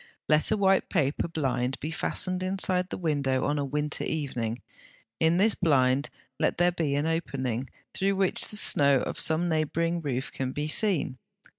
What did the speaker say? Let a white paper blind be fastened inside the window on a winter evening; in this blind let there be an opening, through which the snow of some neighbouring roof can be seen.